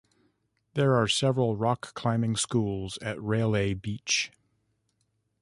There are several rock climbing schools at Railay Beach.